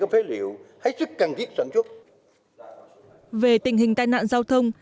các phế liệu hãy sức cần thiết sản xuất về tình hình tai nạn giao thông